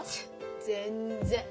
全然。